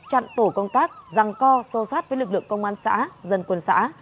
chặn tổ công tác răng co so sát với lực lượng công an xã dân quân xã